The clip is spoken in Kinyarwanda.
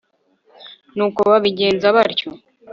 nuko babigenza batyo